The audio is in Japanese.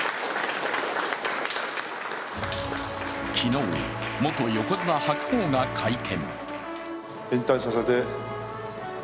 昨日、元横綱・白鵬が会見。